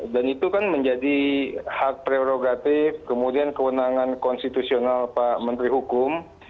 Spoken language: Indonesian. dan itu kan menjadi hak prerogatif kemudian kewenangan konstitusional pak menteri hukum